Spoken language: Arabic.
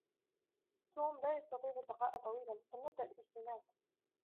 توم لا يستطيع البقاء طويلا فلنبدأ الاجتماع